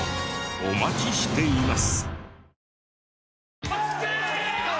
お待ちしています。